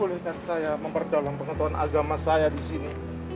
bolehkan saya mempertolong pengetahuan agama saya di sini